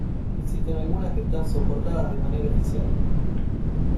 Existen algunas que están soportadas de manera oficial.